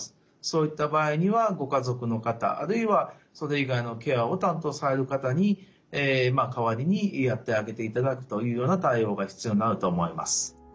そういった場合にはご家族の方あるいはそれ以外のケアを担当される方に代わりにやってあげていただくというような対応が必要になると思います。